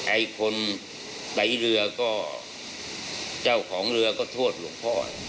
ไอ้คนไตเรือก็เจ้าของเรือก็โทษหลวงพ่อ